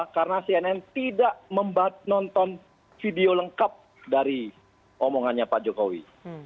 karena cnn tidak membahas nonton video lengkap dari omongannya pak jokowi